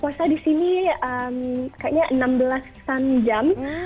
puasa di sini kayaknya enam belas an jam